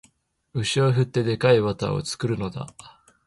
牛を振って、デッカいバターを作るのだ